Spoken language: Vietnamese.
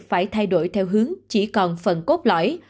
phải thay đổi theo hướng chỉ còn phần cốt lõi